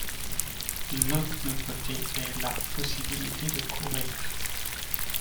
Une autre nouveauté est la possibilité de courir.